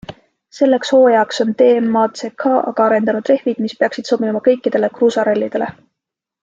Selleks hooajaks on DMACK aga arendanud rehvid, mis peaksid sobima kõikidele kruusarallidele.